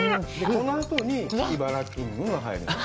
このあとにイバラキングが入る。